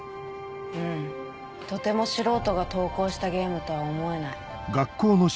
うんとても素人が投稿したゲームとは思えない。